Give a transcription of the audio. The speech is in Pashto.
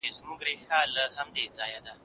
کالي ومينځه!؟